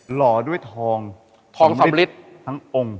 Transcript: หล่อด้วยทองทองสำลิดทั้งองค์